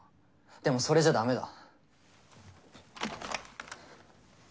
でもそれじゃダメだ。